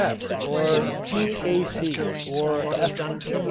B.S., or G.